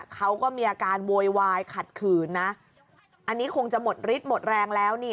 เขาก็มีอาการโวยวายขัดขืนนะอันนี้คงจะหมดฤทธิหมดแรงแล้วนี่